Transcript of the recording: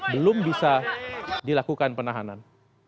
belum bisa dilakukan penahanan